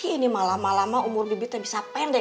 ini malam malam umur bebe teh bisa pendek